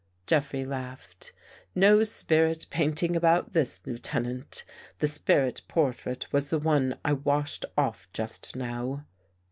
Jeffrey laughed. " No spirit painting about this, Lieutenant. The spirit portrait was the one I washed off just now."